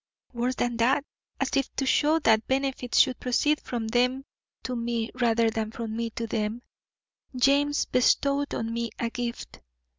Worse than that. As if to show that benefits should proceed from them to me rather than from me to them, James bestowed on me a gift.